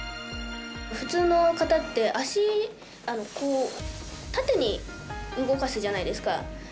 普通の方って、足縦に動かすじゃないですか。